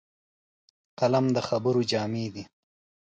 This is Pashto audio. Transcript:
قلم د خبرو جامې دي